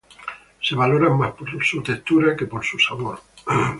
Se valoran más por su textura que por su sabor.